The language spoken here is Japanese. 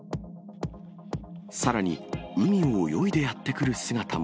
さらに海を泳いでやって来る姿も。